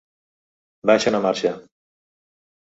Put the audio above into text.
Baixa una marxa.